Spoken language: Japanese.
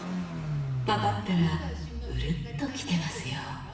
パパったらウルっと来てますよ